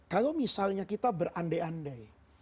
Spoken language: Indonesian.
kalau misalnya kita berandai andai